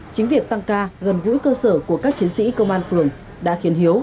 chính việc tăng ca gần gũi cơ sở của các chiến sĩ công an phường đã khiến hiếu